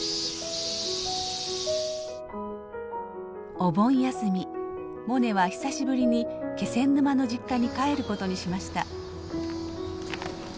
お盆休みモネは久しぶりに気仙沼の実家に帰ることにしました。